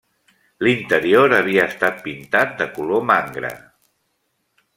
L'interior havia estat pintat de color mangra.